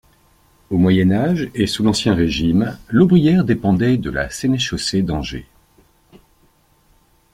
Au Moyen Âge et sous l'Ancien Régime, Laubrières dépendait de la sénéchaussée d'Angers.